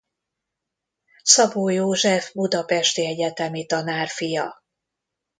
Szabó József budapesti egyetemi tanár fia.